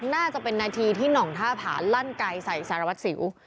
น่าจะเป็นนาทีที่หน่องท่าผาลั่นไกลใส่สารวัตรสิว